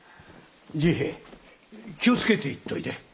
治平気を付けて行っといで。